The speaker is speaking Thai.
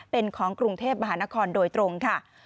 เป็นของกรุงเทพมหานครโดยตรงค่ะ